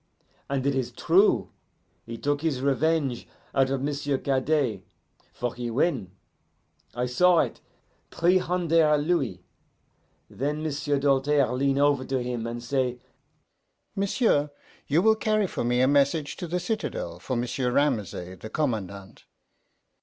And it is true: he took his revenge out of M'sieu' Cadet, for he win I saw it three hunder' louis. Then M'sieu' Doltaire lean over to him and say, 'M'sieu', you will carry for me a message to the citadel for M'sieu' Ramesay, the commandant.